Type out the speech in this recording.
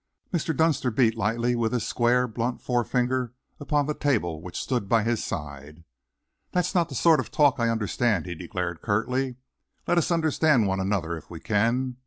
Mr. Dunster beat lightly with his square, blunt forefinger upon the table which stood by his side. "That's not the sort of talk I understand," he declared curtly. "Let us understand one another, if we can.